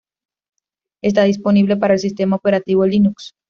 Está disponible para el sistema operativo Linux.